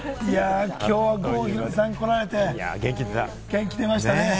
きょうは郷ひろみさん来られて、元気出ましたね。